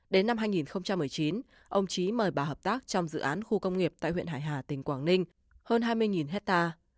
đến năm hai nghìn một mươi chín ông trí mời bà hợp tác trong dự án khu công nghiệp tại huyện hải hà tỉnh quảng ninh hơn hai mươi hectare